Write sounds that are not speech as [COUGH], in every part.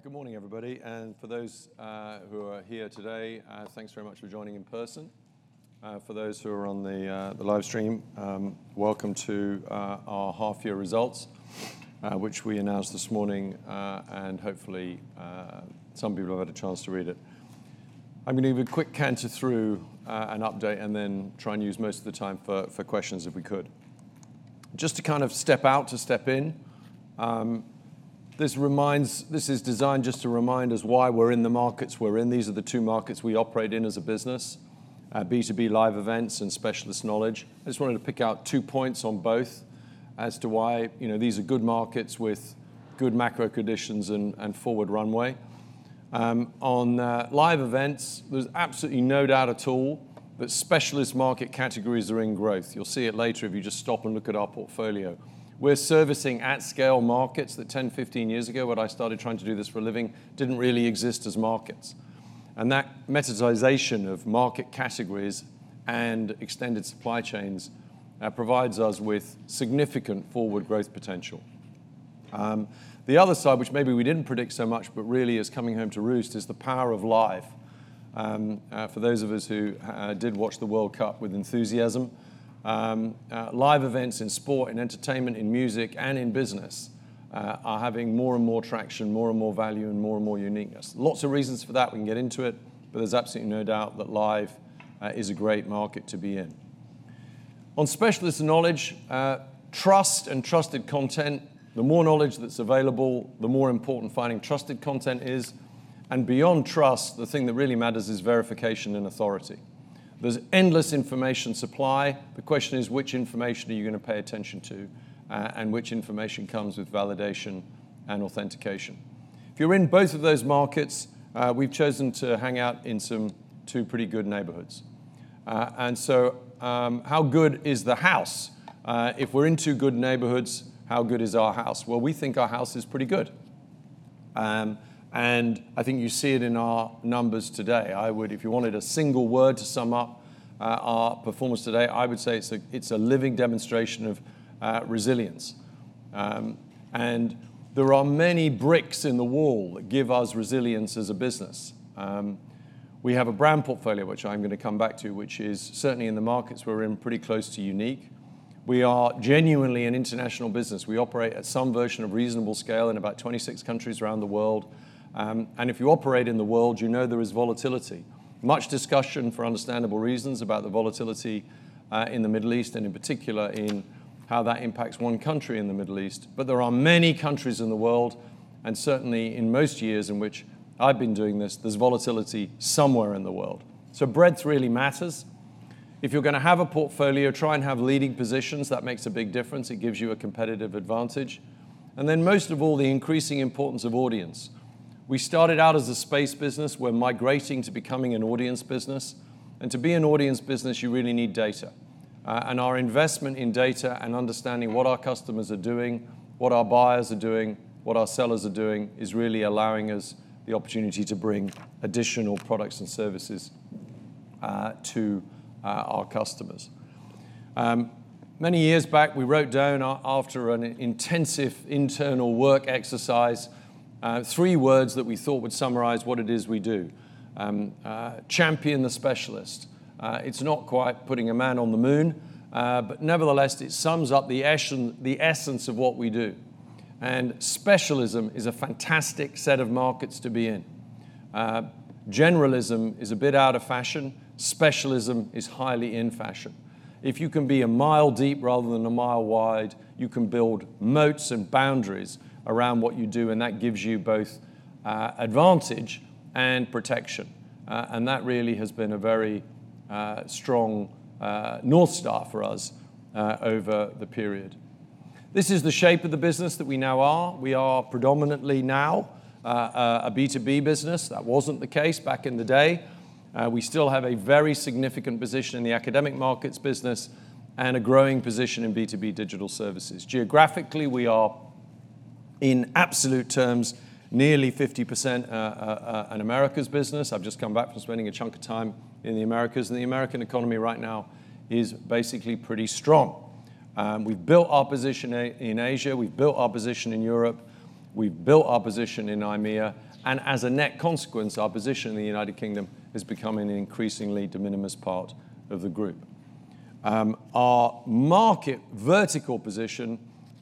Good morning, everybody. For those who are here today, thanks very much for joining in person. For those who are on the live stream, welcome to our half-year results, which we announced this morning, hopefully, some people have had a chance to read it. I'm going to give a quick canter through an update and then try and use most of the time for questions, if we could. Just to kind of step out to step in, this is designed just to remind us why we're in the markets we're in. These are the two markets we operate in as a business, B2B live events and specialist knowledge. I just wanted to pick out two points on both as to why these are good markets with good macro conditions and forward runway. On live events, there's absolutely no doubt at all that specialist market categories are in growth. You'll see it later if you just stop and look at our portfolio. We're servicing at-scale markets that 10, 15 years ago, when I started trying to do this for a living, didn't really exist as markets. That methodization of market categories and extended supply chains provides us with significant forward growth potential. The other side, which maybe we didn't predict so much but really is coming home to roost, is the power of live. For those of us who did watch the World Cup with enthusiasm, live events in sport and entertainment, in music, and in business are having more and more traction, more and more value, and more and more uniqueness. Lots of reasons for that. We can get into it, but there's absolutely no doubt that live is a great market to be in. On specialist knowledge, trust, and trusted content, the more knowledge that's available, the more important finding trusted content is. Beyond trust, the thing that really matters is verification and authority. There's endless information supply. The question is, which information are you going to pay attention to, and which information comes with validation and authentication? If you're in both of those markets, we've chosen to hang out in two pretty good neighborhoods. So, how good is the house? If we're in two good neighborhoods, how good is our house? Well, we think our house is pretty good. I think you see it in our numbers today. If you wanted a single word to sum up our performance today, I would say it's a living demonstration of resilience. There are many bricks in the wall that give us resilience as a business. We have a brand portfolio, which I'm going to come back to, which is certainly in the markets we're in pretty close to unique. We are genuinely an international business. We operate at some version of reasonable scale in about 26 countries around the world. If you operate in the world, you know there is volatility. Much discussion, for understandable reasons, about the volatility in the Middle East, and in particular in how that impacts one country in the Middle East. But there are many countries in the world, and certainly in most years in which I've been doing this, there's volatility somewhere in the world. So breadth really matters. If you're going to have a portfolio, try and have leading positions. That makes a big difference. It gives you a competitive advantage. Then most of all, the increasing importance of audience. We started out as a space business. We're migrating to becoming an audience business. To be an audience business, you really need data. Our investment in data and understanding what our customers are doing, what our buyers are doing, what our sellers are doing, is really allowing us the opportunity to bring additional products and services to our customers. Many years back, we wrote down, after an intensive internal work exercise, three words that we thought would summarize what it is we do. Champion the specialist. It's not quite putting a man on the moon, but nevertheless, it sums up the essence of what we do. Specialism is a fantastic set of markets to be in. Generalism is a bit out of fashion. Specialism is highly in fashion. If you can be a mile deep rather than a mile wide, you can build moats and boundaries around what you do, and that gives you both advantage and protection. That really has been a very strong North Star for us over the period. This is the shape of the business that we now are. We are predominantly now a B2B business. That wasn't the case back in the day. We still have a very significant position in the academic markets business and a growing position in B2B digital services. Geographically, we are, in absolute terms, nearly 50% an Americas business. I've just come back from spending a chunk of time in the Americas, and the American economy right now is basically pretty strong. We've built our position in Asia. We've built our position in Europe. We've built our position in EMEA. As a net consequence, our position in the United Kingdom is becoming an increasingly de minimis part of the group. Our market vertical position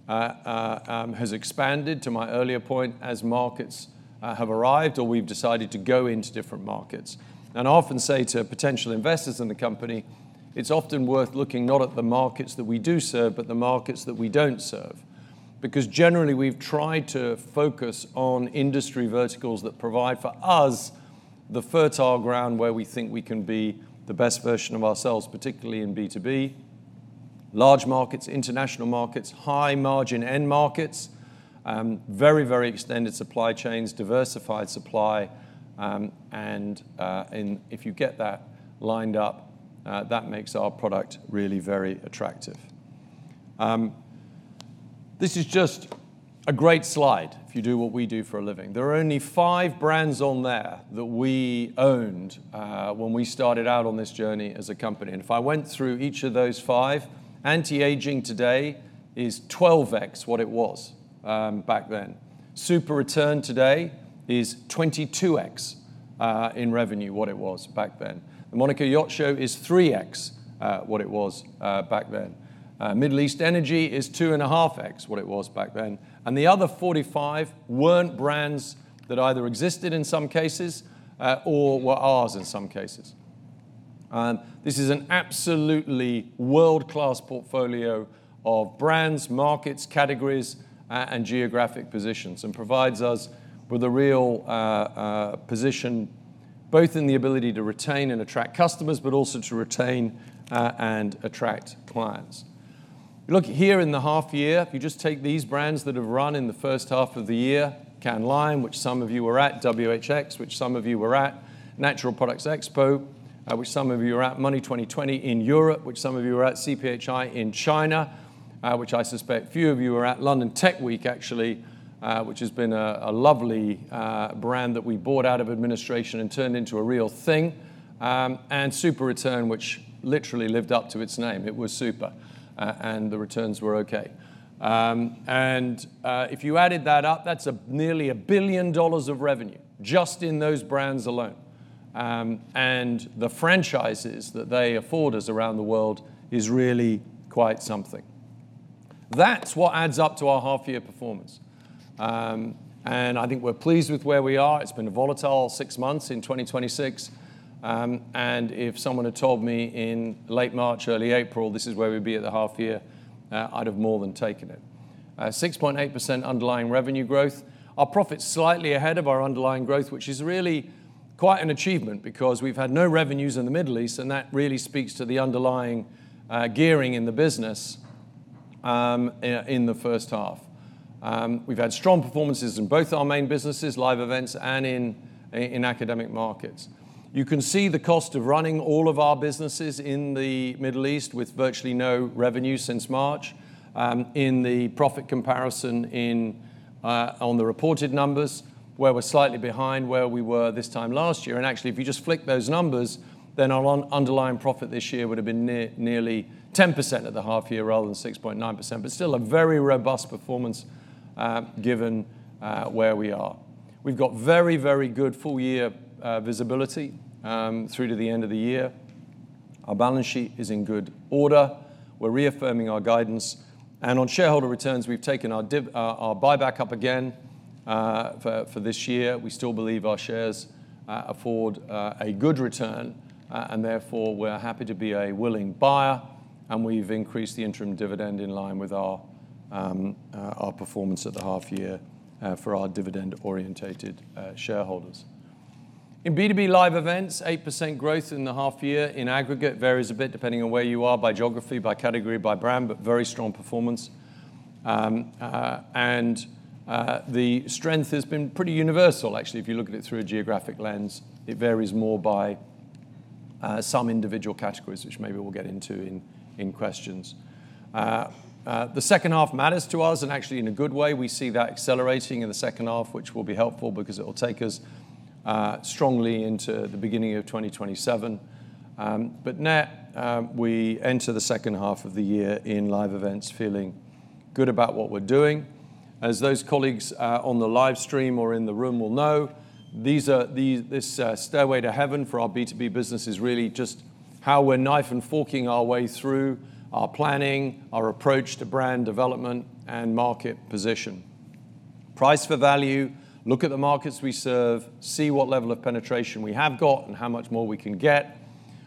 has expanded to my earlier point as markets have arrived or we've decided to go into different markets. I often say to potential investors in the company, it's often worth looking not at the markets that we do serve, but the markets that we don't serve. Because generally, we've tried to focus on industry verticals that provide, for us, the fertile ground where we think we can be the best version of ourselves, particularly in B2B. Large markets, international markets, high margin end markets, very extended supply chains, diversified supply, and if you get that lined up, that makes our product really very attractive. This is just a great slide if you do what we do for a living. There are only five brands on there that we owned when we started out on this journey as a company. If I went through each of those five, Anti-Aging today is 12x what it was back then. SuperReturn today is 22x. In revenue what it was back then. The Monaco Yacht Show is 3x what it was back then. Middle East Energy is 2.5x what it was back then. The other 45 weren't brands that either existed in some cases or were ours in some cases. This is an absolutely world-class portfolio of brands, markets, categories, and geographic positions, and provides us with a real position both in the ability to retain and attract customers, but also to retain and attract clients. You look here in the half year, if you just take these brands that have run in the first half of the year, Cannes Lions, which some of you were at, WHX, which some of you were at, Natural Products Expo, which some of you were at, Money20/20 in Europe, which some of you were at, CPHI in China, which I suspect few of you were at, London Tech Week, actually, which has been a lovely brand that we bought out of administration and turned into a real thing, and SuperReturn, which literally lived up to its name. It was super, and the returns were okay. If you added that up, that's nearly GBP 1 billion of revenue just in those brands alone. The franchises that they afford us around the world is really quite something. That's what adds up to our half-year performance. I think we're pleased with where we are. It's been a volatile six months in 2026. If someone had told me in late March, early April, this is where we'd be at the half year, I'd have more than taken it. 6.8% underlying revenue growth. Our profit's slightly ahead of our underlying growth, which is really quite an achievement because we've had no revenues in the Middle East, and that really speaks to the underlying gearing in the business in the first half. We've had strong performances in both our main businesses, live events and in academic markets. You can see the cost of running all of our businesses in the Middle East with virtually no revenue since March in the profit comparison on the reported numbers where we're slightly behind where we were this time last year. Actually, if you just flick those numbers, then our underlying profit this year would've been nearly 10% at the half year rather than 6.9%, but still a very robust performance given where we are. We've got very good full-year visibility through to the end of the year. Our balance sheet is in good order. We're reaffirming our guidance. On shareholder returns, we've taken our buyback up again for this year. We still believe our shares afford a good return, and therefore we're happy to be a willing buyer, and we've increased the interim dividend in line with our performance at the half year for our dividend-orientated shareholders. In B2B live events, 8% growth in the half year in aggregate varies a bit depending on where you are by geography, by category, by brand, but very strong performance. The strength has been pretty universal actually if you look at it through a geographic lens. It varies more by some individual categories, which maybe we'll get into in questions. The second half matters to us and actually in a good way. We see that accelerating in the second half, which will be helpful because it'll take us strongly into the beginning of 2027. Net, we enter the second half of the year in live events feeling good about what we're doing. As those colleagues on the live stream or in the room will know, this stairway to heaven for our B2B business is really just how we're knife and forking our way through our planning, our approach to brand development, and market position. Price for value, look at the markets we serve, see what level of penetration we have got and how much more we can get.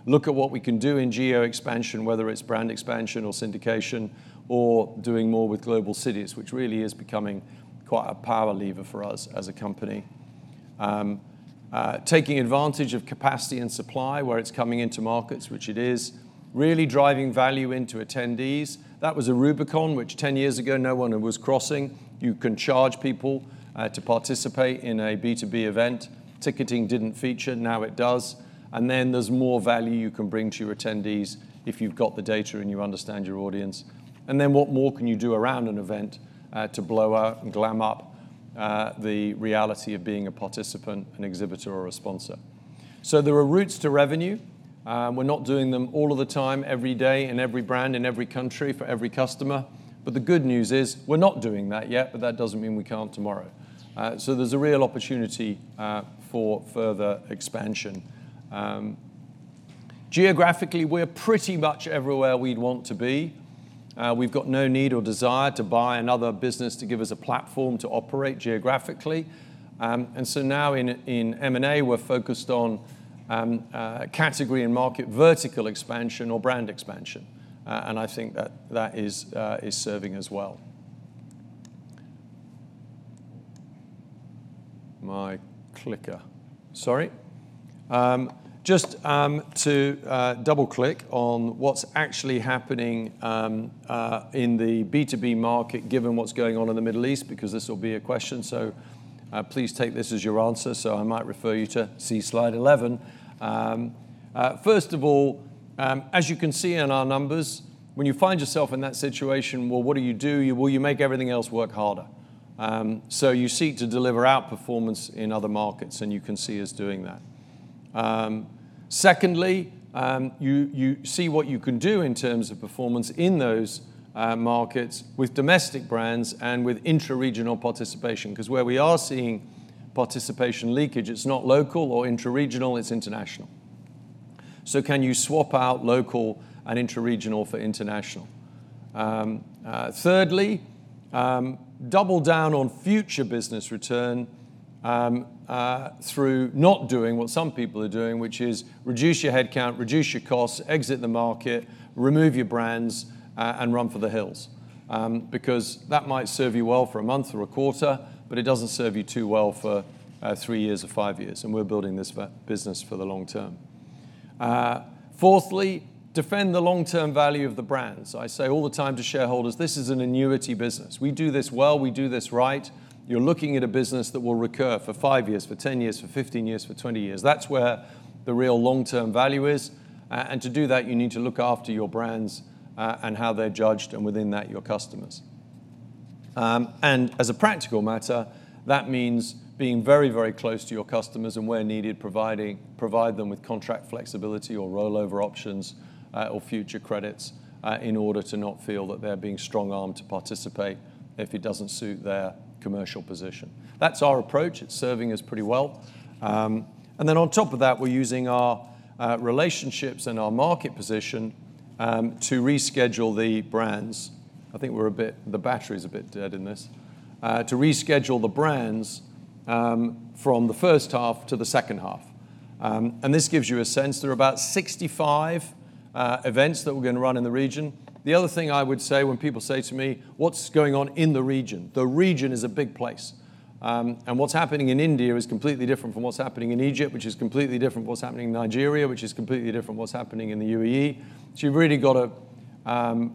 Look at what we can do in geo expansion, whether it's brand expansion or syndication or doing more with global cities, which really is becoming quite a power lever for us as a company. Taking advantage of capacity and supply where it's coming into markets, which it is. Really driving value into attendees. That was a Rubicon, which 10 years ago no one was crossing. You can charge people to participate in a B2B event. Ticketing didn't feature, now it does. There's more value you can bring to your attendees if you've got the data and you understand your audience. What more can you do around an event to blow out and glam up the reality of being a participant, an exhibitor, or a sponsor? There are routes to revenue. We're not doing them all of the time, every day, in every brand, in every country, for every customer. The good news is we're not doing that yet, that doesn't mean we can't tomorrow. There's a real opportunity for further expansion. Geographically, we're pretty much everywhere we'd want to be. We've got no need or desire to buy another business to give us a platform to operate geographically. Now in M&A we're focused on category and market vertical expansion or brand expansion. I think that is serving us well. My clicker. Sorry. Just to double click on what's actually happening in the B2B market given what's going on in the Middle East, because this will be a question, please take this as your answer. I might refer you to see slide 11. First of all, as you can see in our numbers, what do you do? You make everything else work harder. You seek to deliver outperformance in other markets, and you can see us doing that. Secondly, you see what you can do in terms of performance in those markets with domestic brands and with intra-regional participation. Where we are seeing participation leakage, it's not local or intra-regional, it's international. Can you swap out local and intra-regional for international? Thirdly, double down on future business return through not doing what some people are doing, which is reduce your headcount, reduce your costs, exit the market, remove your brands, and run for the hills. That might serve you well for a month or a quarter, it doesn't serve you too well for three years or five years, and we're building this business for the long term. Fourthly, defend the long-term value of the brands. I say all the time to shareholders, "This is an annuity business." We do this well, we do this right. You're looking at a business that will recur for 5 years, for 10 years, for 15 years, for 20 years. That's where the real long-term value is. To do that, you need to look after your brands and how they're judged, and within that, your customers. As a practical matter, that means being very close to your customers and where needed, provide them with contract flexibility or rollover options, or future credits, in order to not feel that they're being strong-armed to participate if it doesn't suit their commercial position. That's our approach. It's serving us pretty well. Then on top of that, we're using our relationships and our market position to reschedule the brands. I think the battery's a bit dead in this. To reschedule the brands from the first half to the second half. This gives you a sense. There are about 65 events that we're going to run in the region. The other thing I would say when people say to me, "What's going on in the region?" The region is a big place. What's happening in India is completely different from what's happening in Egypt, which is completely different from what's happening in Nigeria, which is completely different what's happening in the U.A.E. You've really got to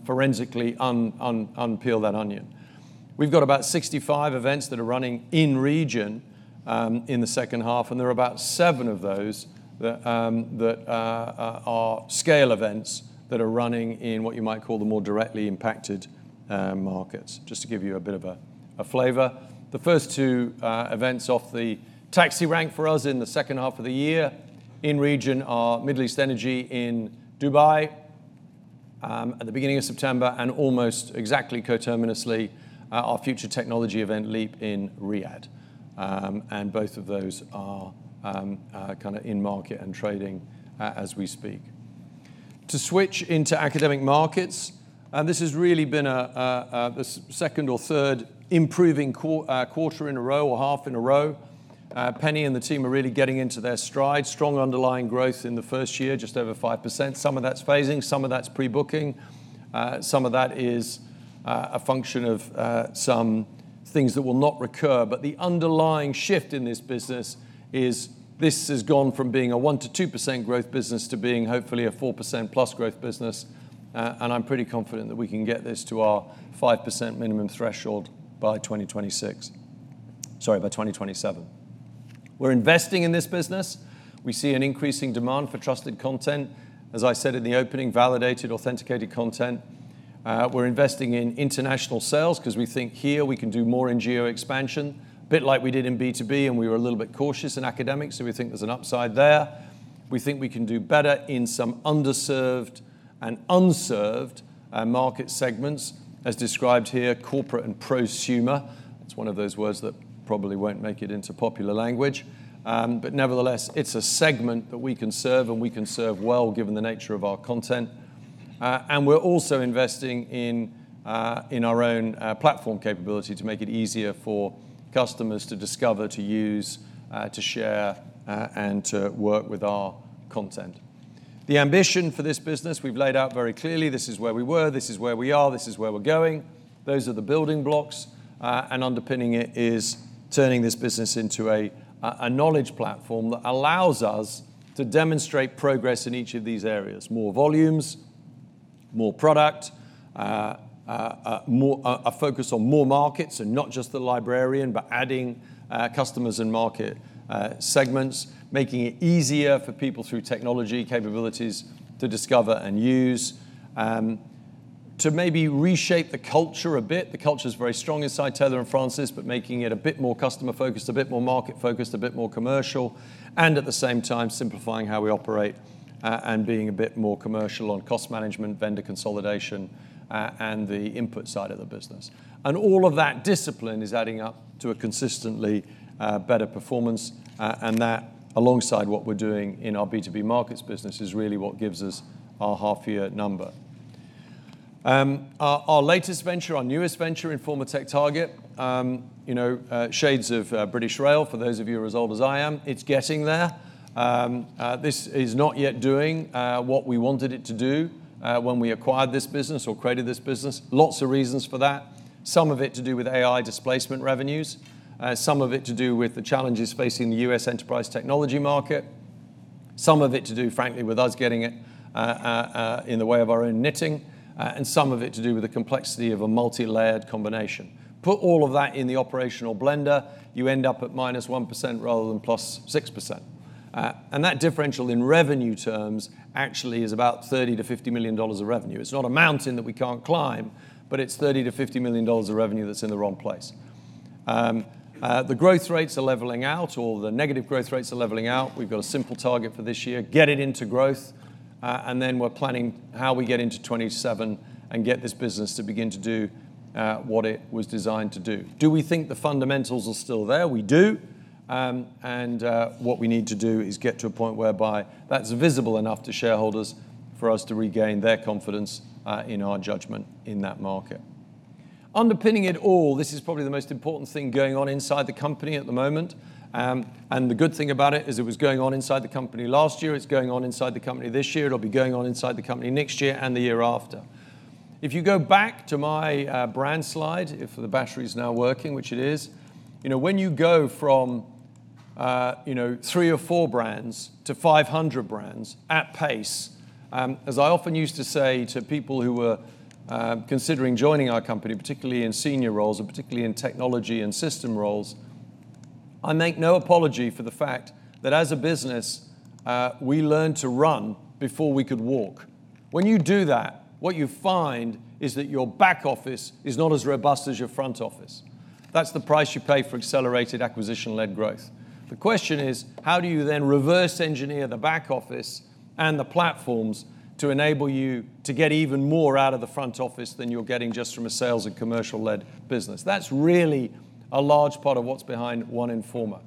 forensically unpeel that onion. We've got about 65 events that are running in region in the second half, and there are about seven of those that are scale events that are running in what you might call the more directly impacted markets. Just to give you a bit of a flavor. The first two events off the taxi rank for us in the second half of the year in region are Middle East Energy in Dubai at the beginning of September, and almost exactly coterminously, our future technology event, LEAP, in Riyadh. Both of those are in market and trading as we speak. To switch into academic markets, this has really been the second or third improving quarter in a row or half in a row. Penny and the team are really getting into their stride. Strong underlying growth in the first year, just over 5%. Some of that's phasing, some of that's pre-booking. Some of that is a function of some things that will not recur. The underlying shift in this business is this has gone from being a 1%-2% growth business to being, hopefully, a 4%+ growth business. I'm pretty confident that we can get this to our 5% minimum threshold by 2026. Sorry, by 2027. We're investing in this business. We see an increasing demand for trusted content. As I said in the opening, validated, authenticated content. We're investing in international sales because we think here we can do more in geo expansion, a bit like we did in B2B, we were a little bit cautious in academics, we think there's an upside there. We think we can do better in some underserved and unserved market segments, as described here, corporate and prosumer. It's one of those words that probably won't make it into popular language. Nevertheless, it's a segment that we can serve and we can serve well given the nature of our content. We're also investing in our own platform capability to make it easier for customers to discover, to use, to share, and to work with our content. The ambition for this business we've laid out very clearly. This is where we were, this is where we are, this is where we're going. Those are the building blocks. Underpinning it is turning this business into a knowledge platform that allows us to demonstrate progress in each of these areas. More volumes, more product, a focus on more markets and not just the librarian, but adding customers and market segments, making it easier for people through technology capabilities to discover and use. To maybe reshape the culture a bit. The culture is very strong inside Taylor & Francis, but making it a bit more customer-focused, a bit more market-focused, a bit more commercial, and at the same time simplifying how we operate, and being a bit more commercial on cost management, vendor consolidation, and the input side of the business. All of that discipline is adding up to a consistently better performance, and that alongside what we're doing in our B2B markets business is really what gives us our half-year number. Our latest venture, our newest venture, Informa TechTarget, shades of British Rail, for those of you as old as I am, it's getting there. This is not yet doing what we wanted it to do when we acquired this business or created this business. Lots of reasons for that. Some of it to do with AI displacement revenues, some of it to do with the challenges facing the U.S. enterprise technology market, some of it to do, frankly, with us getting it in the way of our own knitting, and some of it to do with the complexity of a multilayered combination. Put all of that in the operational blender, you end up at -1% rather than +6%. That differential in revenue terms actually is about $30 million-$50 million of revenue. It's not a mountain that we can't climb, but it's $30 million-$50 million of revenue that's in the wrong place. The growth rates are leveling out, or the negative growth rates are leveling out. We've got a simple target for this year, get it into growth, then we're planning how we get into 2027 and get this business to begin to do what it was designed to do. Do we think the fundamentals are still there? We do. What we need to do is get to a point whereby that's visible enough to shareholders for us to regain their confidence in our judgment in that market. Underpinning it all, this is probably the most important thing going on inside the company at the moment. The good thing about it is it was going on inside the company last year, it's going on inside the company this year, it'll be going on inside the company next year, and the year after. If you go back to my brand slide, if the battery's now working, which it is. You go from three or four brands to 500 brands at pace, as I often used to say to people who were considering joining our company, particularly in senior roles and particularly in technology and system roles, I make no apology for the fact that as a business, we learned to run before we could walk. When you do that, what you find is that your back office is not as robust as your front office. That's the price you pay for accelerated acquisition-led growth. The question is, how do you then reverse engineer the back office and the platforms to enable you to get even more out of the front office than you're getting just from a sales and commercial-led business? That's really a large part of what's behind One Informa.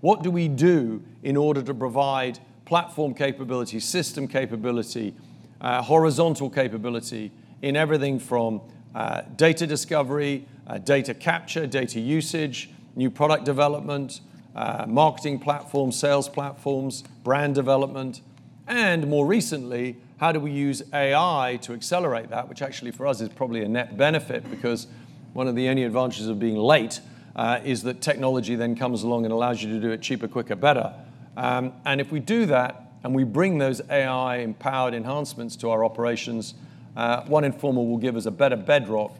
What do we do in order to provide platform capability, system capability, horizontal capability in everything from data discovery, data capture, data usage, new product development, marketing platforms, sales platforms, brand development, and more recently, how do we use AI to accelerate that? Which actually for us is probably a net benefit because one of the only advantages of being late, is that technology then comes along and allows you to do it cheaper, quicker, better. If we do that, and we bring those AI-empowered enhancements to our operations, One Informa will give us a better bedrock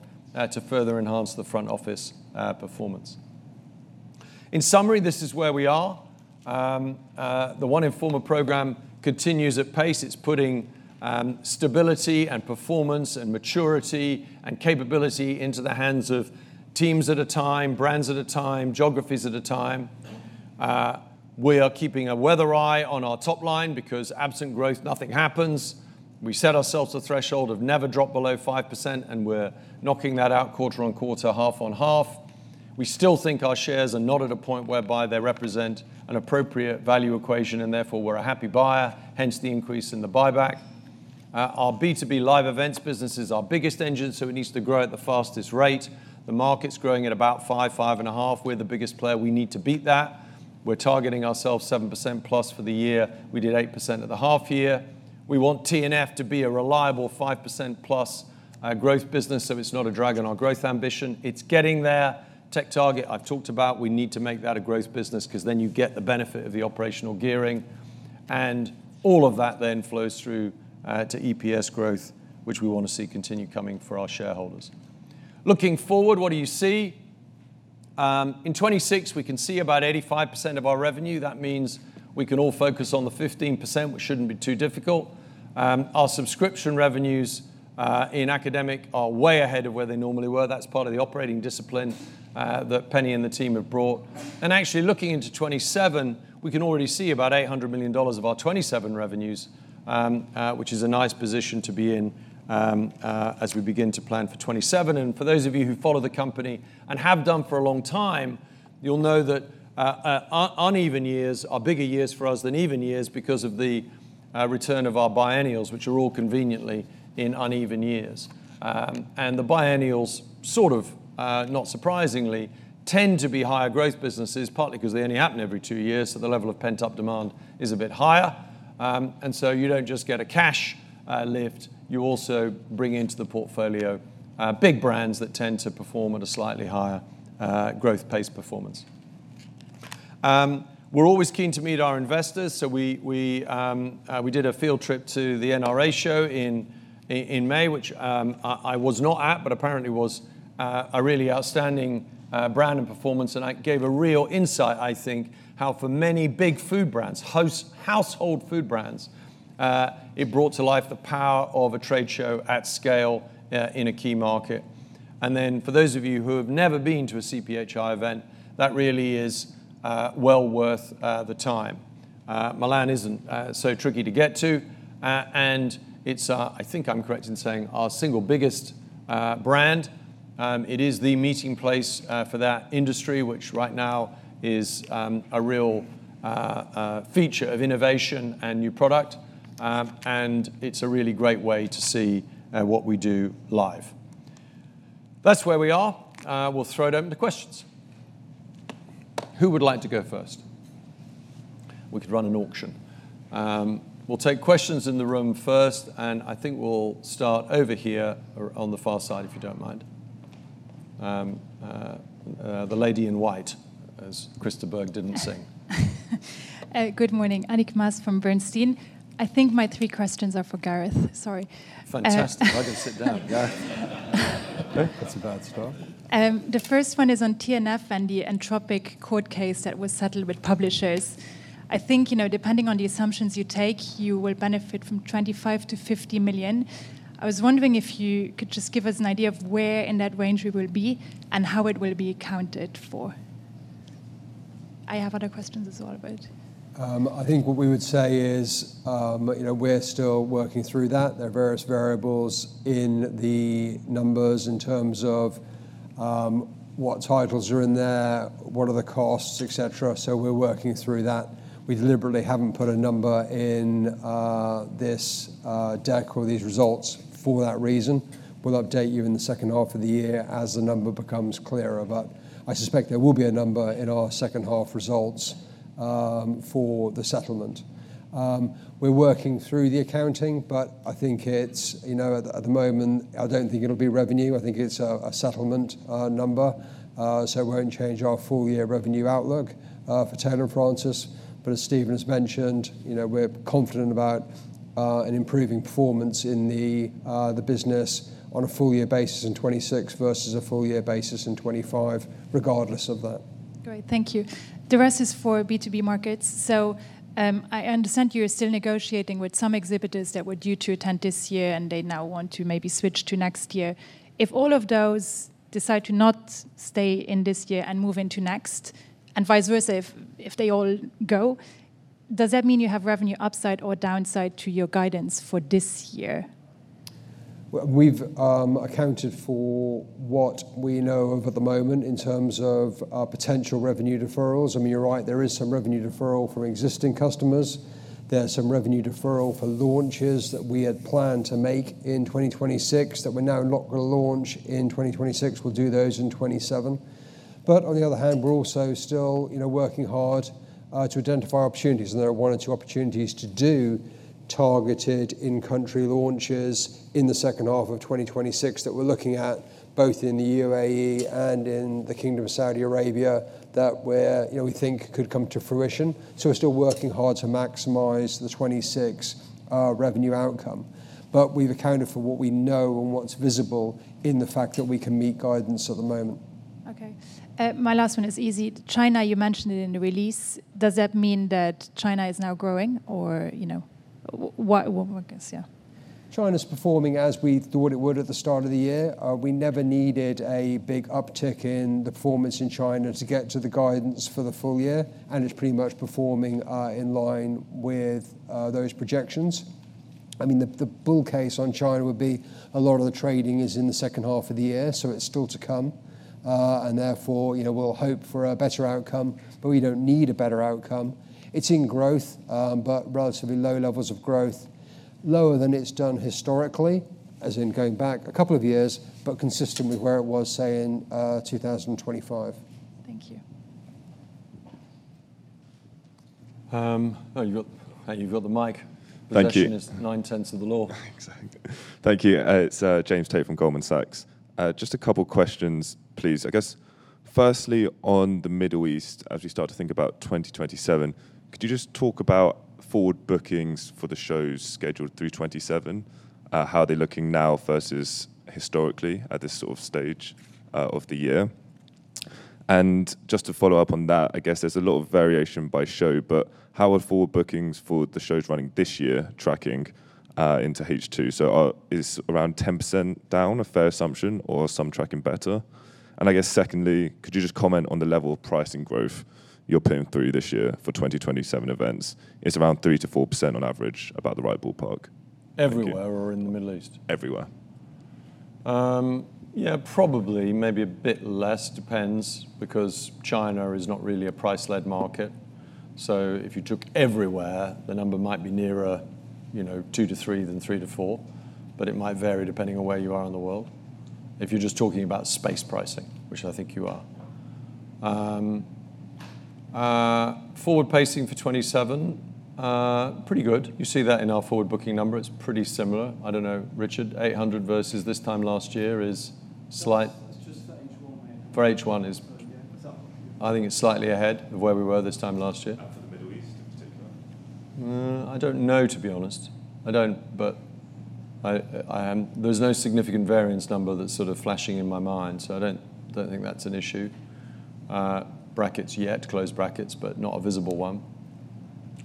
to further enhance the front office performance. In summary, this is where we are. The One Informa program continues at pace. It's putting stability and performance and maturity and capability into the hands of teams at a time, brands at a time, geographies at a time. We are keeping a weather eye on our top line because absent growth, nothing happens. We set ourselves a threshold of never drop below 5%, and we're knocking that out quarter-on-quarter, half-on-half. We still think our shares are not at a point whereby they represent an appropriate value equation, and therefore we're a happy buyer, hence the increase in the buyback. Our B2B live events business is our biggest engine, it needs to grow at the fastest rate. The market's growing at about 5%-5.5%. We're the biggest player. We need to beat that. We're targeting ourselves 7%+ for the year. We did 8% at the half year. We want T&F to be a reliable 5%+ growth business, so it's not a drag on our growth ambition. It's getting there. TechTarget, I've talked about. We need to make that a growth business because you get the benefit of the operational gearing. All of that flows through to EPS growth, which we want to see continue coming for our shareholders. Looking forward, what do you see? In 2026, we can see about 85% of our revenue. That means we can all focus on the 15%, which shouldn't be too difficult. Our subscription revenues in academic are way ahead of where they normally were. That's part of the operating discipline that Penny and the team have brought. Looking into 2027, we can already see about GBP 800 million of our 2027 revenues, which is a nice position to be in as we begin to plan for 2027. For those of you who follow the company and have done for a long time, you'll know that uneven years are bigger years for us than even years because of the return of our biennials, which are all conveniently in uneven years. The biennials, not surprisingly, tend to be higher growth businesses, partly because they only happen every two years, so the level of pent-up demand is a bit higher. You don't just get a cash lift, you also bring into the portfolio big brands that tend to perform at a slightly higher growth pace performance. We're always keen to meet our investors, so we did a field trip to the NRA show in May, which I was not at, but apparently was a really outstanding brand and performance, and gave a real insight, I think, how for many big food brands, household food brands, it brought to life the power of a trade show at scale in a key market. For those of you who have never been to a CPHI event, that really is well worth the time. Milan isn't so tricky to get to. It's, I think I'm correct in saying, our single biggest brand. It is the meeting place for that industry, which right now is a real feature of innovation and new product. It's a really great way to see what we do live. That's where we are. We'll throw it open to questions. Who would like to go first? We could run an auction. We'll take questions in the room first, and I think we'll start over here on the far side, if you don't mind. The lady in white, as Chris de Burgh didn't sing. Good morning, Annick Maas from Bernstein. I think my three questions are for Gareth. Sorry. Fantastic. I can sit down. Gareth. Okay. That's a bad start. The first one is on T&F and the Anthropic court case that was settled with publishers. I think, depending on the assumptions you take, you will benefit from 25 million-50 million. I was wondering if you could just give us an idea of where in that range we will be and how it will be accounted for. I have other questions as well. I think what we would say is we're still working through that. There are various variables in the numbers in terms of what titles are in there, what are the costs, et cetera. We're working through that. We deliberately haven't put a number in this deck or these results for that reason. We'll update you in the second half of the year as the number becomes clearer. I suspect there will be a number in our second half results for the settlement. We're working through the accounting, I think at the moment, I don't think it'll be revenue. I think it's a settlement number, so it won't change our full-year revenue outlook for Taylor & Francis. As Stephen has mentioned, we're confident about an improving performance in the business on a full-year basis in 2026 versus a full-year basis in 2025, regardless of that. Great. Thank you. The rest is for B2B markets. I understand you're still negotiating with some exhibitors that were due to attend this year, and they now want to maybe switch to next year. If all of those decide to not stay in this year and move into next, and vice versa, if they all go, does that mean you have revenue upside or downside to your guidance for this year? We've accounted for what we know of at the moment in terms of our potential revenue deferrals. I mean, you're right. There is some revenue deferral from existing customers. There's some revenue deferral for launches that we had planned to make in 2026 that we're now not going to launch in 2026. We'll do those in 2027. On the other hand, we're also still working hard to identify opportunities, and there are one or two opportunities to do targeted in-country launches in the second half of 2026 that we're looking at, both in the UAE and in the Kingdom of Saudi Arabia, that we think could come to fruition. We're still working hard to maximize the 2026 revenue outcome. We've accounted for what we know and what's visible in the fact that we can meet guidance at the moment. Okay. My last one is easy. China, you mentioned it in the release. Does that mean that China is now growing? China's performing as we thought it would at the start of the year. We never needed a big uptick in the performance in China to get to the guidance for the full year, and it's pretty much performing in line with those projections. The bull case on China would be a lot of the trading is in the second half of the year, so it's still to come. Therefore, we'll hope for a better outcome, but we don't need a better outcome. It's in growth, but relatively low levels of growth, lower than it's done historically, as in going back a couple of years, but consistent with where it was, say, in 2025. Thank you. Oh, you've got the mic. Thank you. Possession is nine-tenths of the law. Exactly. Thank you. It's James Tate from Goldman Sachs. Just a couple of questions, please. I guess, firstly, on the Middle East, as we start to think about 2027, could you just talk about forward bookings for the shows scheduled through 2027? How are they looking now versus historically at this sort of stage of the year? Just to follow up on that, I guess there's a lot of variation by show, but how are forward bookings for the shows running this year tracking into H2? Is around 10% down a fair assumption or some tracking better? I guess secondly, could you just comment on the level of pricing growth you're putting through this year for 2027 events? It's around 3%-4% on average, about the right ballpark. Thank you. Everywhere or in the Middle East? Everywhere. Yeah, probably, maybe a bit less, depends, because China is not really a price-led market. If you took everywhere, the number might be nearer two to three than three to four, but it might vary depending on where you are in the world, if you're just talking about space pricing, which I think you are. Forward pacing for 2027, pretty good. You see that in our forward booking number. It's pretty similar. I don't know, Richard, 800 versus this time last year. It's just for H1. Yeah. It's up I think it's slightly ahead of where we were this time last year. For the Middle East in particular? I don't know, to be honest. I don't, there's no significant variance number that's sort of flashing in my mind, I don't think that's an issue (yet), not a visible one.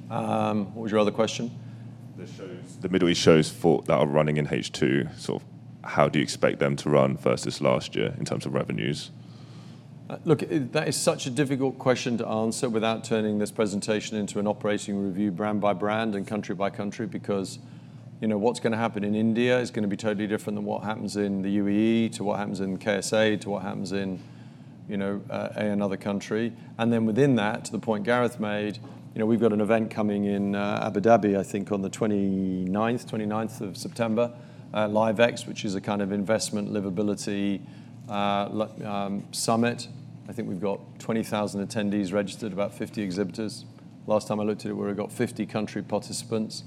What was your other question? The Middle East shows that are running in H2, how do you expect them to run versus last year in terms of revenues? Look, that is such a difficult question to answer without turning this presentation into an operating review brand by brand and country by country, because what's going to happen in India is going to be totally different than what happens in the UAE to what happens in the KSA to what happens in another country. Within that, to the point Gareth made, we've got an event coming in Abu Dhabi, I think on the 29th of September, LIVEX, which is a kind of investment livability summit. I think we've got 20,000 attendees registered, about 50 exhibitors. Last time I looked at it, we've got 50 country participants.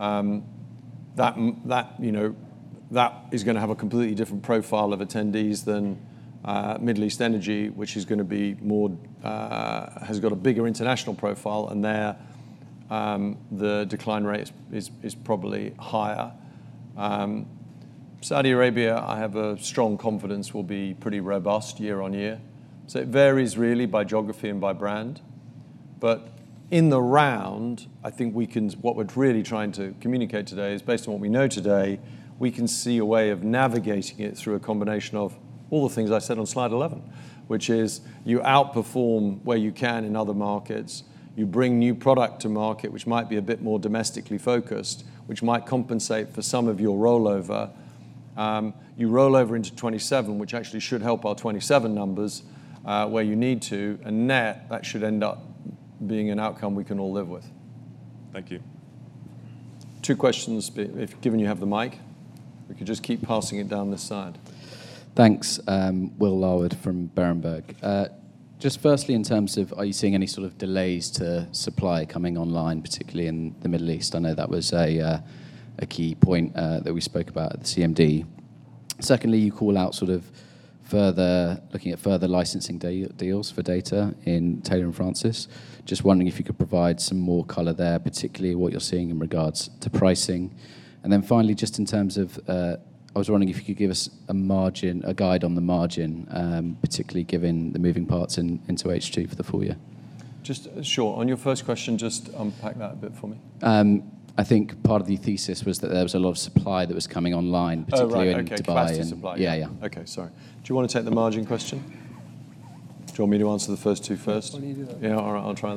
That is going to have a completely different profile of attendees than Middle East Energy, which has got a bigger international profile. There the decline rate is probably higher. Saudi Arabia, I have a strong confidence will be pretty robust year-on-year. It varies really by geography and by brand. In the round, I think what we're really trying to communicate today is, based on what we know today, we can see a way of navigating it through a combination of all the things I said on slide 11, which is you outperform where you can in other markets, you bring new product to market, which might be a bit more domestically focused, which might compensate for some of your rollover. You roll over into 2027, which actually should help our 2027 numbers, where you need to. Net, that should end up being an outcome we can all live with. Thank you. Two questions. Given you have the mic, we could just keep passing it down this side. Thanks. Will Larwood from Berenberg. Just firstly, in terms of are you seeing any sort of delays to supply coming online, particularly in the Middle East? I know that was a key point that we spoke about at the CMD. Secondly, you call out looking at further licensing deals for data in Taylor & Francis. Just wondering if you could provide some more color there, particularly what you're seeing in regards to pricing. Finally, I was wondering if you could give us a guide on the margin, particularly given the moving parts into H2 for the full year. Just sure. On your first question, just unpack that a bit for me. I think part of the thesis was that there was a lot of supply that was coming online, particularly in Dubai. Oh, right. Okay. Capacity supply. Yeah. Okay. Sorry. Do you want to take the margin question? Do you want me to answer the first two first? Why don't you do that? Yeah. All right, I'll try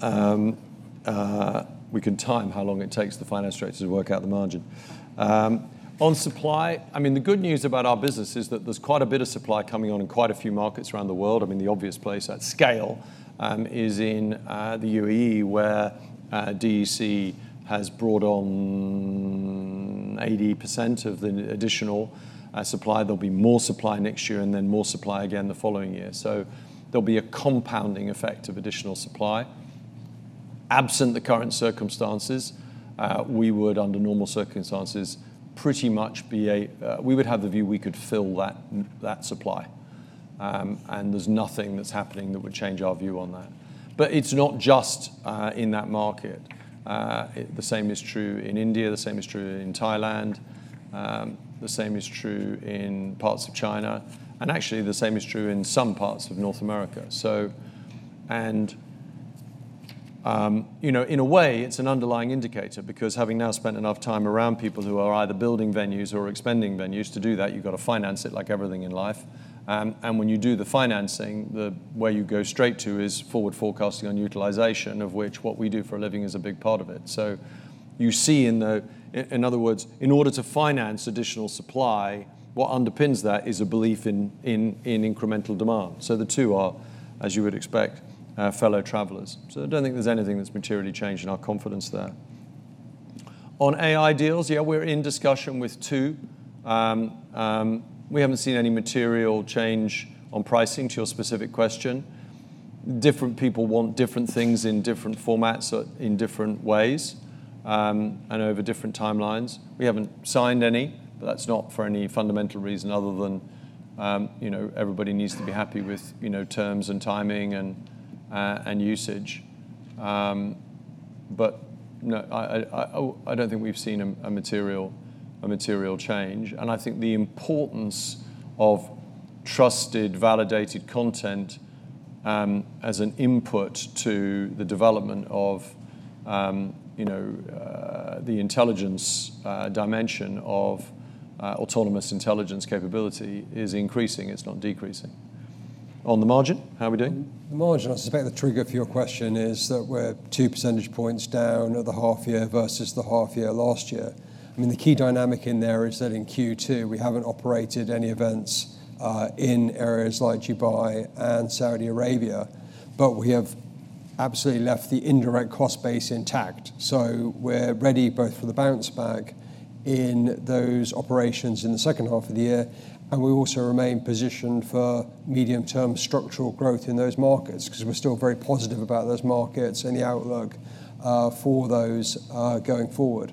that. We can time how long it takes the finance director to work out the margin. On supply, the good news about our business is that there's quite a bit of supply coming on in quite a few markets around the world. The obvious place at scale is in the UAE, where DEC has brought on 80% of the additional supply. There'll be more supply next year and then more supply again the following year. There'll be a compounding effect of additional supply. Absent the current circumstances, we would, under normal circumstances, we would have the view we could fill that supply. There's nothing that's happening that would change our view on that. It's not just in that market. The same is true in India, the same is true in Thailand, the same is true in parts of China, actually, the same is true in some parts of North America. In a way, it's an underlying indicator because having now spent enough time around people who are either building venues or expanding venues, to do that, you've got to finance it like everything in life. When you do the financing, where you go straight to is forward forecasting on utilization, of which what we do for a living is a big part of it. You see, in other words, in order to finance additional supply, what underpins that is a belief in incremental demand. The two are, as you would expect, fellow travelers. I don't think there's anything that's materially changed in our confidence there. On AI deals, yeah, we're in discussion with two. We haven't seen any material change on pricing, to your specific question. Different people want different things in different formats, in different ways, and over different timelines. That's not for any fundamental reason other than everybody needs to be happy with terms and timing and usage. No, I don't think we've seen a material change, and I think the importance of trusted, validated content as an input to the development of the intelligence dimension of autonomous intelligence capability is increasing, it's not decreasing. On the margin, how are we doing? The margin, I suspect the trigger for your question is that we're 2 percentage points down at the half year versus the half year last year. The key dynamic in there is that in Q2, we haven't operated any events in areas like Dubai and Saudi Arabia, but we have absolutely left the indirect cost base intact. We're ready both for the bounce back in those operations in the second half of the year, and we also remain positioned for medium-term structural growth in those markets because we're still very positive about those markets and the outlook for those going forward.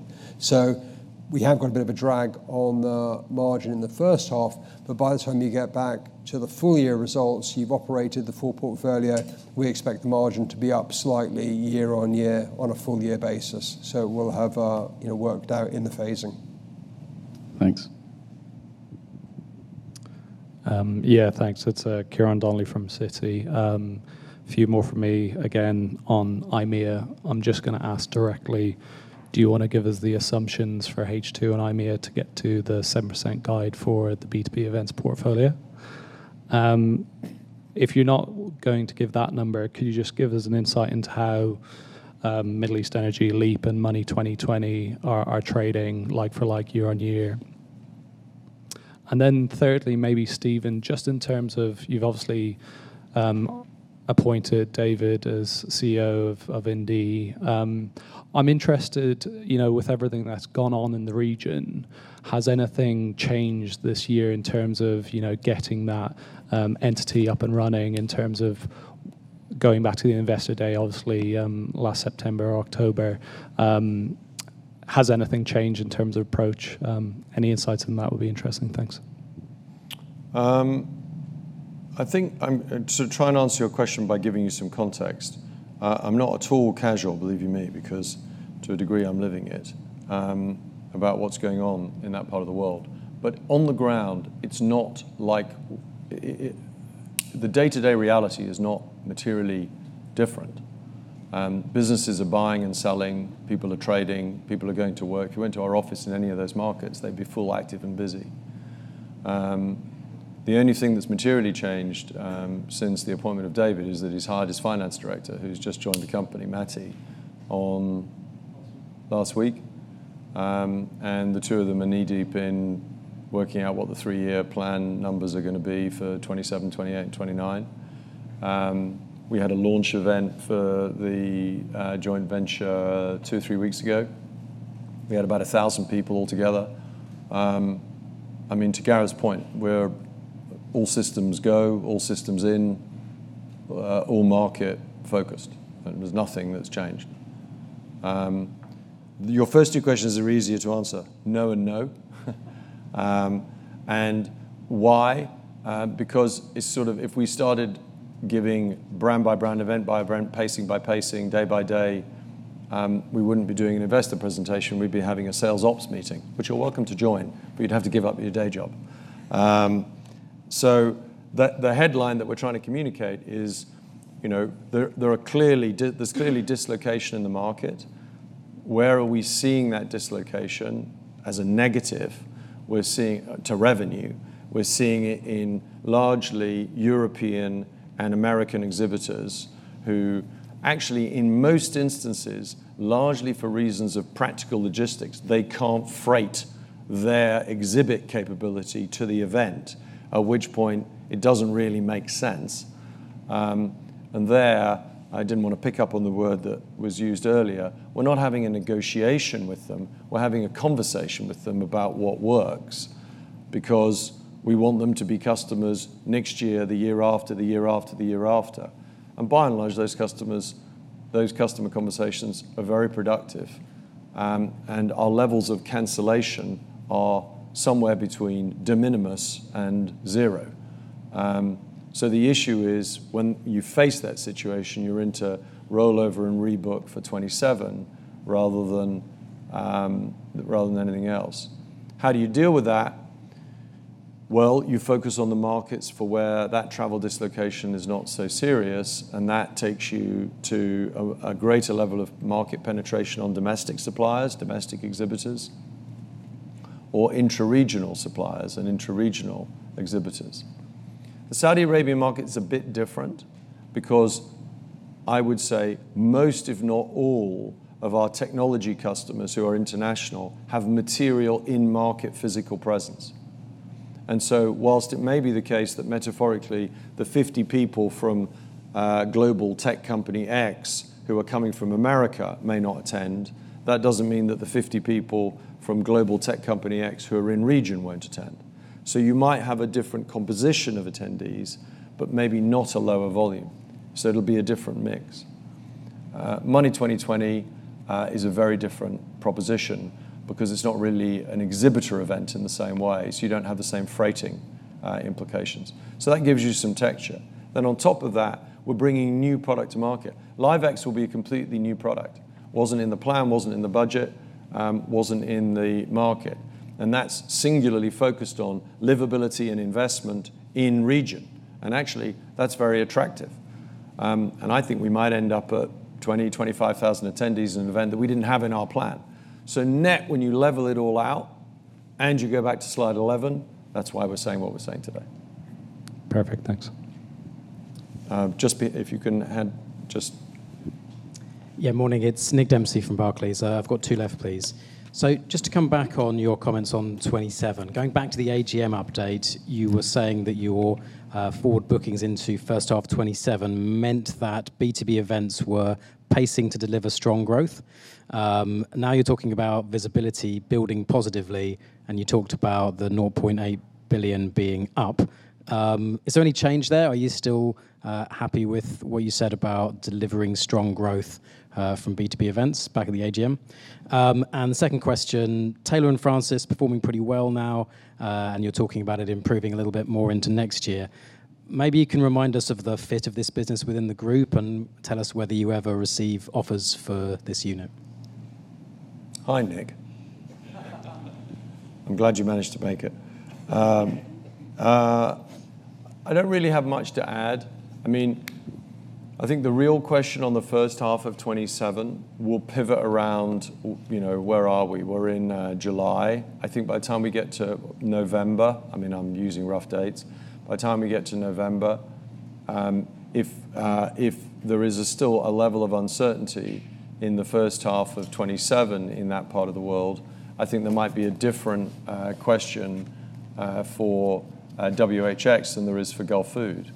We have got a bit of a drag on the margin in the first half, but by the time you get back to the full-year results, you've operated the full portfolio. We expect the margin to be up slightly year-on-year on a full year basis. We'll have worked out in the phasing. Thanks. Thanks. It's Ciaran Donnelly from Citi. A few more from me, again, on IMEA. I'm just going to ask directly, do you want to give us the assumptions for H2 and IMEA to get to the 7% guide for the B2B events portfolio? If you're not going to give that number, could you just give us an insight into how Middle East Energy, LEAP, and Money20/20 are trading like-for-like year-on-year? Thirdly, maybe Stephen, just in terms of you've obviously appointed David as CEO of. [INAUDIBLE] I'm interested, with everything that's gone on in the region, has anything changed this year in terms of getting that entity up and running, in terms of going back to the Investor Day, obviously, last September or October? Has anything changed in terms of approach? Any insights on that would be interesting. Thanks. I'm trying to answer your question by giving you some context I'm not at all casual, believe you me, because to a degree, I'm living it, about what's going on in that part of the world. On the ground, the day-to-day reality is not materially different. Businesses are buying and selling, people are trading, people are going to work. If you went to our office in any of those markets, they'd be full, active, and busy. The only thing that's materially changed since the appointment of David is that he's hired his finance director, who's just joined the company, Matty, last week. The two of them are knee-deep in working out what the three-year plan numbers are going to be for 2027, 2028, and 2029. We had a launch event for the joint venture two, three weeks ago. We had about 1,000 people altogether. To Gareth's point, we're all systems go, all systems in, all market-focused. There's nothing that's changed. Your first two questions are easier to answer. No and no. Why? Because if we started giving brand by brand, event by event, pacing by pacing, day by day, we wouldn't be doing an investor presentation, we'd be having a sales ops meeting. Which you're welcome to join, but you'd have to give up your day job. The headline that we're trying to communicate is there's clearly dislocation in the market. Where are we seeing that dislocation as a negative to revenue? We're seeing it in largely European and American exhibitors who actually, in most instances, largely for reasons of practical logistics, they can't freight their exhibit capability to the event, at which point it doesn't really make sense. There, I didn't want to pick up on the word that was used earlier, we're not having a negotiation with them, we're having a conversation with them about what works. We want them to be customers next year, the year after, the year after, the year after. By and large, those customer conversations are very productive. Our levels of cancellation are somewhere between de minimis and zero. The issue is when you face that situation, you're into rollover and rebook for 2027 rather than anything else. How do you deal with that? You focus on the markets for where that travel dislocation is not so serious, and that takes you to a greater level of market penetration on domestic suppliers, domestic exhibitors, or intra-regional suppliers and intra-regional exhibitors. The Saudi Arabian market's a bit different because I would say most if not all of our technology customers who are international have material in-market physical presence. While it may be the case that metaphorically the 50 people from global tech company X who are coming from America may not attend, that doesn't mean that the 50 people from global tech company X who are in-region won't attend. You might have a different composition of attendees, but maybe not a lower volume. It'll be a different mix. Money20/20 is a very different proposition because it's not really an exhibitor event in the same way, you don't have the same freighting implications. That gives you some texture. On top of that, we're bringing new product to market. LIVEX will be a completely new product. Wasn't in the plan, wasn't in the budget, wasn't in the market, that's singularly focused on livability and investment in region, actually, that's very attractive. I think we might end up at 20,000, 25,000 attendees at an event that we didn't have in our plan. Net, when you level it all out, you go back to slide 11, that's why we're saying what we're saying today. Perfect, thanks. Just if you can add. Yeah, morning. It's Nick Dempsey from Barclays. I've got two left, please. Just to come back on your comments on 2027. Going back to the AGM update, you were saying that your forward bookings into first half of 2027 meant that B2B events were pacing to deliver strong growth. Now you're talking about visibility building positively, and you talked about the 0.8 billion being up. Is there any change there? Are you still happy with what you said about delivering strong growth from B2B events back at the AGM? The second question, Taylor & Francis performing pretty well now, and you're talking about it improving a little bit more into next year. Maybe you can remind us of the fit of this business within the group and tell us whether you ever receive offers for this unit. Hi, Nick. I'm glad you managed to make it. I don't really have much to add. I think the real question on the first half of 2027 will pivot around where are we? We're in July. I think by the time we get to November, I'm using rough dates. By the time we get to November, if there is still a level of uncertainty in the first half of 2027 in that part of the world, I think there might be a different question for WHX than there is for Gulfood.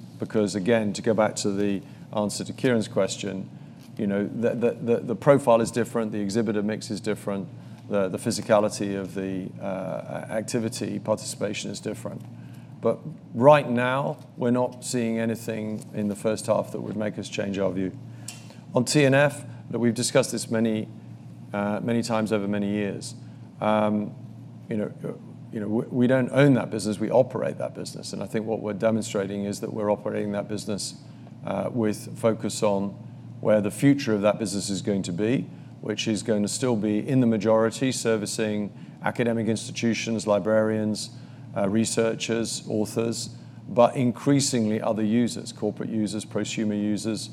Again, to go back to the answer to Ciaran's question, the profile is different, the exhibitor mix is different, the physicality of the activity participation is different. Right now, we're not seeing anything in the first half that would make us change our view. On T&F, look, we've discussed this many times over many years. We don't own that business, we operate that business. I think what we're demonstrating is that we're operating that business with focus on where the future of that business is going to be. Which is going to still be in the majority, servicing academic institutions, librarians, researchers, authors, but increasingly other users, corporate users, prosumer users,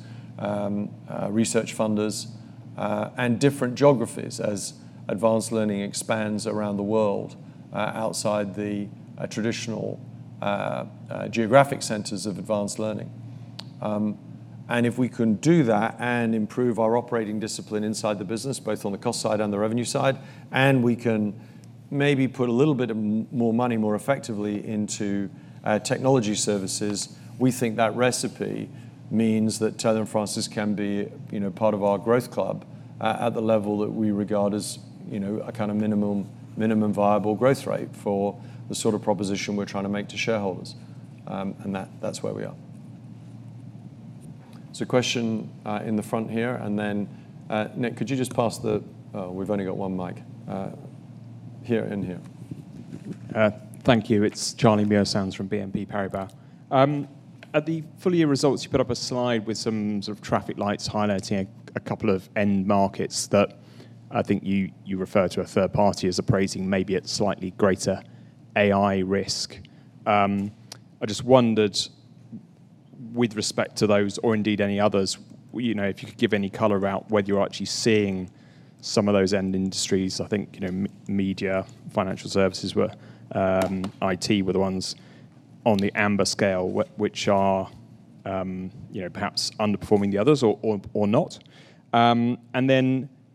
research funders, and different geographies as advanced learning expands around the world, outside the traditional geographic centers of advanced learning. If we can do that and improve our operating discipline inside the business, both on the cost side and the revenue side, and we can maybe put a little bit of more money more effectively into technology services, we think that recipe means that Taylor & Francis can be part of our growth club at the level that we regard as a kind of minimum viable growth rate for the sort of proposition we're trying to make to shareholders. That's where we are. Question in the front here, and then, Nick, could you just pass the Oh, we've only got one mic. Here and here. Thank you. It's Charlie Muir-Sands from BNP Paribas. At the full year results, you put up a slide with some sort of traffic lights highlighting a couple of end markets that I think you refer to a third party as appraising maybe at slightly greater AI risk. I just wondered with respect to those or indeed any others, if you could give any color about whether you're actually seeing some of those end industries, I think, media, financial services were, IT were the ones on the amber scale, which are perhaps underperforming the others or not.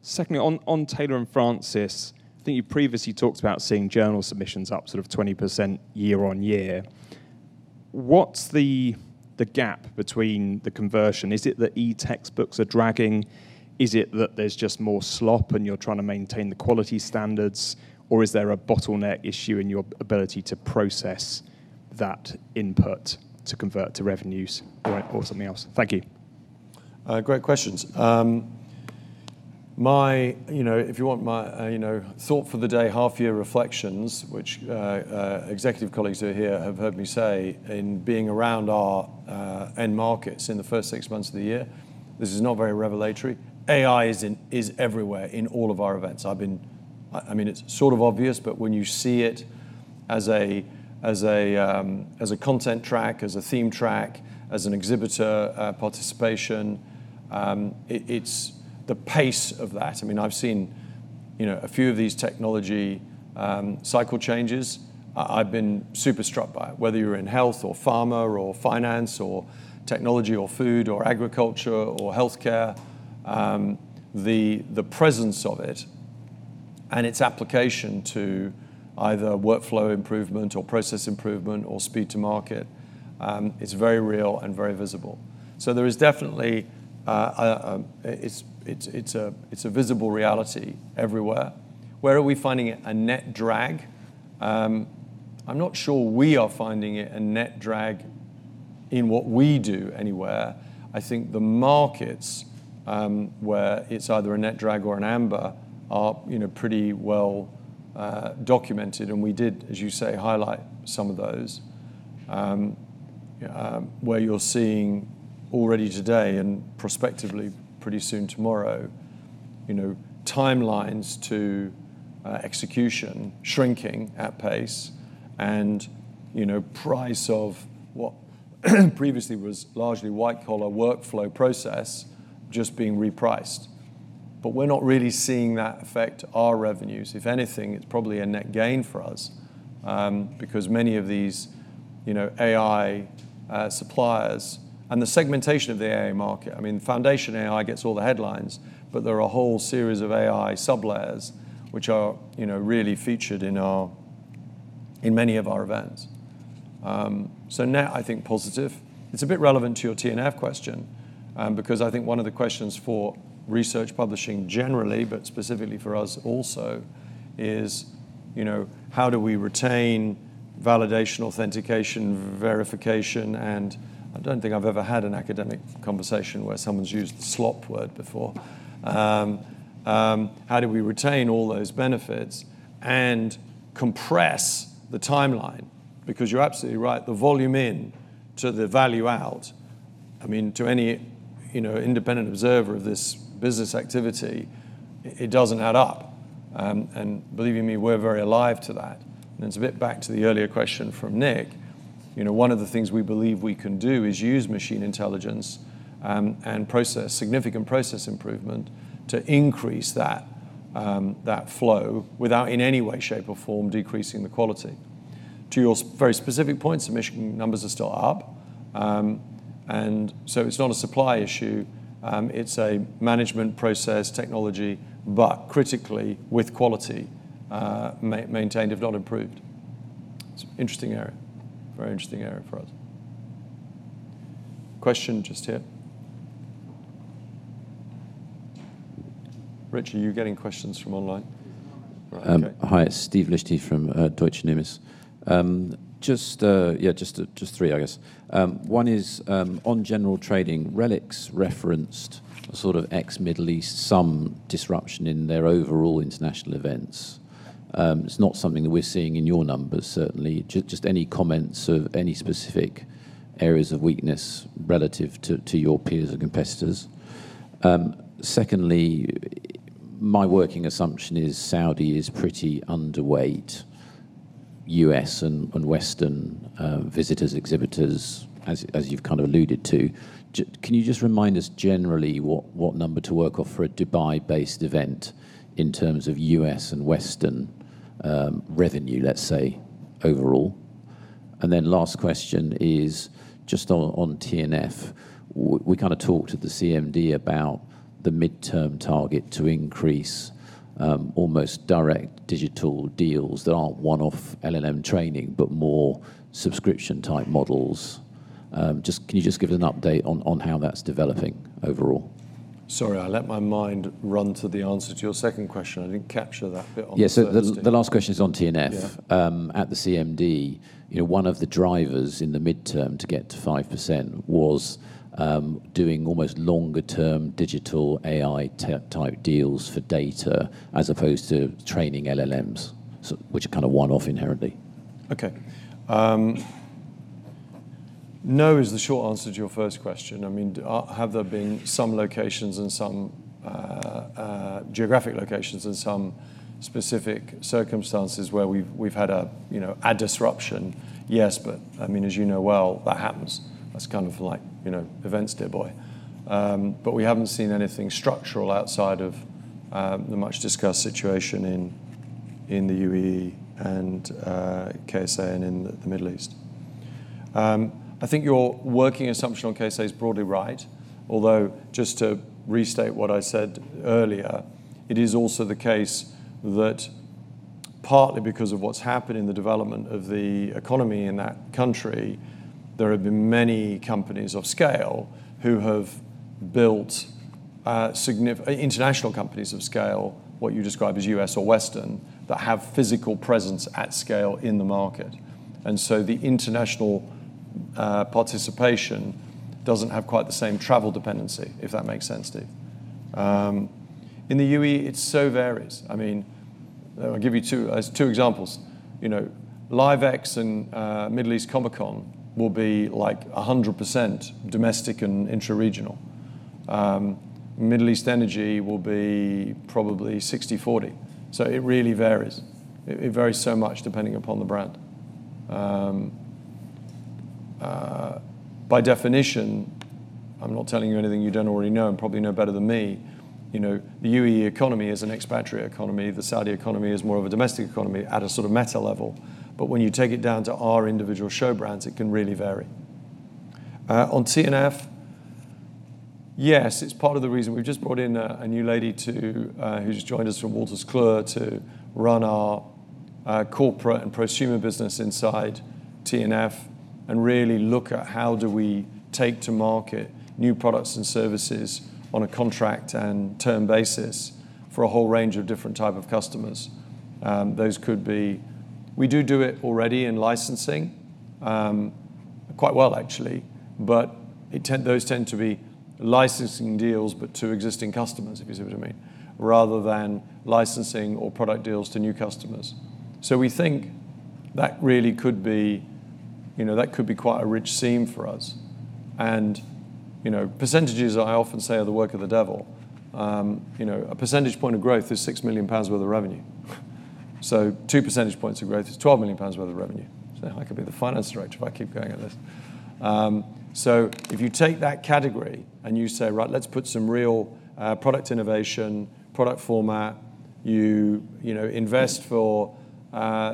Secondly, on Taylor & Francis, I think you previously talked about seeing journal submissions up sort of 20% year-on-year. What's the gap between the conversion? Is it that e-textbooks are dragging? Is it that there's just more slop and you're trying to maintain the quality standards, or is there a bottleneck issue in your ability to process that input to convert to revenues or something else? Thank you. Great questions. If you want my thought for the day, half-year reflections, which executive colleagues who are here have heard me say in being around our end markets in the first six months of the year, this is not very revelatory. AI is everywhere in all of our events. It's sort of obvious, but when you see it as a content track, as a theme track, as an exhibitor participation, it's the pace of that. I've seen a few of these technology cycle changes. I've been super struck by it. Whether you're in health or pharma or finance or technology or food or agriculture or healthcare, the presence of it and its application to either workflow improvement or process improvement or speed to market, it's very real and very visible. There is definitely It's a visible reality everywhere. Where are we finding it a net drag? I'm not sure we are finding it a net drag in what we do anywhere. I think the markets, where it's either a net drag or an amber are pretty well-documented, and we did, as you say, highlight some of those, where you're seeing already today and prospectively pretty soon tomorrow, timelines to execution shrinking at pace and price of what previously was largely white-collar workflow process just being repriced. We're not really seeing that affect our revenues. If anything, it's probably a net gain for us, because many of these AI suppliers and the segmentation of the AI market, foundation AI gets all the headlines, but there are a whole series of AI sub-layers which are really featured in many of our events. Net, I think positive. It's a bit relevant to your T&F question, because I think one of the questions for research publishing generally, but specifically for us also, is how do we retain validation, authentication, verification, and I don't think I've ever had an academic conversation where someone's used the slop word before. How do we retain all those benefits and compress the timeline? Because you're absolutely right, the volume in to the value out, to any independent observer of this business activity, it doesn't add up. Believe you me, we're very alive to that. It's a bit back to the earlier question from Nick. One of the things we believe we can do is use machine intelligence, and significant process improvement to increase that flow without in any way, shape, or form decreasing the quality. To your very specific point, submission numbers are still up. It's not a supply issue. It's a management process technology, but critically with quality, maintained if not improved. It's an interesting area, very interesting area for us. Question just here. Rich, are you getting questions from online? Hi, it's Steven Liechti from Deutsche Numis. Just three, I guess. One is, on general trading, RELX referenced sort of ex-Middle East, some disruption in their overall international events. It's not something that we're seeing in your numbers, certainly. Just any comments of any specific areas of weakness relative to your peers or competitors? Secondly, my working assumption is Saudi is pretty underweight U.S. and Western visitors, exhibitors, as you've kind of alluded to. Can you just remind us generally what number to work off for a Dubai-based event in terms of U.S. and Western revenue, let's say overall? Last question is just on T&F. We kind of talked at the CMD about the midterm target to increase almost direct digital deals that aren't one-off LLM training, but more subscription-type models. Can you just give an update on how that is developing overall? Sorry, I let my mind run to the answer to your second question. I didn't capture that bit on the first. Yeah, the last question is on T&F. Yeah At the CMD, one of the drivers in the midterm to get to 5% was doing almost longer-term digital AI type deals for data as opposed to training LLMs, which are kind of one-off inherently. Okay. No is the short answer to your first question. Have there been some locations and some geographic locations and some specific circumstances where we've had a disruption? Yes. As you know well, that happens. That's kind of like events, dear boy. We haven't seen anything structural outside of the much-discussed situation in the U.A.E. and K.S.A. and in the Middle East. I think your working assumption on K.S.A. is broadly right, although just to restate what I said earlier, it is also the case that partly because of what's happened in the development of the economy in that country, there have been many companies of scale who have built international companies of scale, what you describe as U.S. or Western, that have physical presence at scale in the market. The international participation doesn't have quite the same travel dependency, if that makes sense to you. In the U.A.E., it so varies. I'll give you two examples. LIVEX and Middle East Comic-Con will be like 100% domestic and intra-regional. Middle East Energy will be probably 60/40. It really varies. It varies so much depending upon the brand. By definition, I'm not telling you anything you don't already know and probably know better than me, the U.A.E. economy is an expatriate economy. The Saudi economy is more of a domestic economy at a meta level. When you take it down to our individual show brands, it can really vary. On T&F, yes, it's part of the reason we've just brought in a new lady who's joined us from Wolters Kluwer to run our corporate and prosumer business inside T&F and really look at how do we take to market new products and services on a contract and term basis for a whole range of different type of customers. We do it already in licensing, quite well actually, but those tend to be licensing deals but to existing customers, if you see what I mean, rather than licensing or product deals to new customers. We think that could be quite a rich seam for us. Percentages, I often say, are the work of the devil. A percentage point of growth is 6 million pounds worth of revenue. Two percentage points of growth is 12 million pounds worth of revenue. I could be the Finance Director if I keep going at this. If you take that category and you say, "Right, let's put some real product innovation, product format," you invest for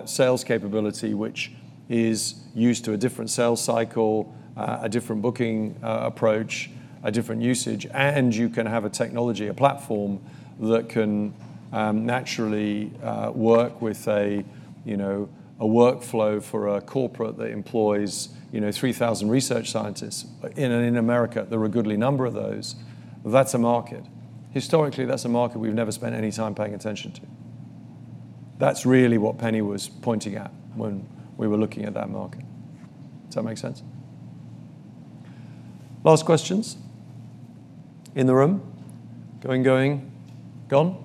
sales capability, which is used to a different sales cycle, a different booking approach, a different usage, and you can have a technology, a platform that can naturally work with a workflow for a corporate that employs 3,000 research scientists. In America, there are a goodly number of those. That's a market. Historically, that's a market we've never spent any time paying attention to. That's really what Penny was pointing at when we were looking at that market. Does that make sense? Last questions in the room. Going, going, gone.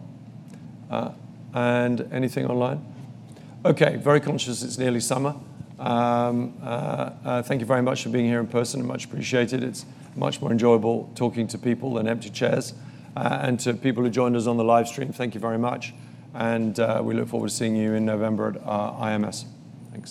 Anything online? Very conscious it's nearly summer. Thank you very much for being here in person. Much appreciated. It's much more enjoyable talking to people than empty chairs. To people who joined us on the live stream, thank you very much, and we look forward to seeing you in November at IMS. Thank you